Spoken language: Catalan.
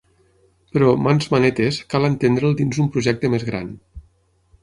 Però ‘Mans manetes’ cal entendre’l dins un projecte més gran.